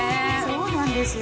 そうなんですよ。